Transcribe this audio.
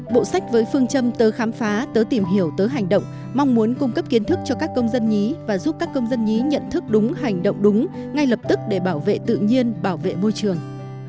bộ sách với phương châm tớ khám phá tớ tìm hiểu tớ hành động mong muốn cung cấp kiến thức cho các công dân nhí và giúp các công dân nhí nhận thức đúng hành động đúng ngay lập tức để bảo vệ tự nhiên bảo vệ môi trường